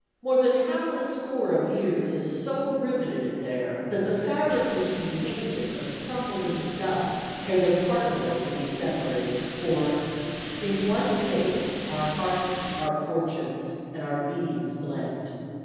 More than half a score of years has so riveted it there, that the fabric which contains it must crumble into dust ere the particles can be separated; for In one fate, our hearts, our fortunes, And our beings blend.